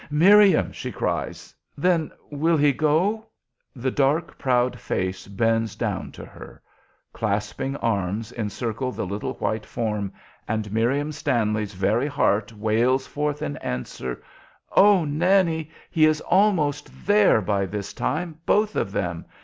"Miriam!" she cries. "Then will he go?" The dark, proud face bends down to her; clasping arms encircle the little white form, and Miriam Stanley's very heart wails forth in answer, "Oh, Nannie! He is almost there by this time, both of them.